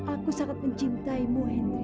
aku sangat mencintaimu hendry